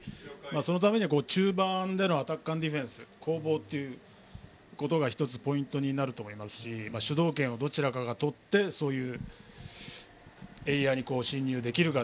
そのためには中盤でのディフェンス、攻防がポイントになると思いますし主導権をどちらかが取ってそういうエリアに進入できるか。